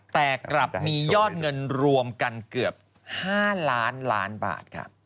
แต่กลับมียอดเงินรวมกันเกือบ๕ล้านล้านบาท